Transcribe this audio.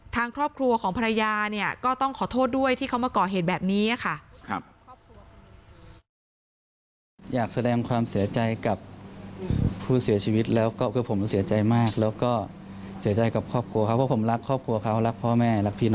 ทางครอบครัวของภรรยาเนี่ยก็ต้องขอโทษด้วยที่เขามาก่อเหตุแบบนี้ค่ะ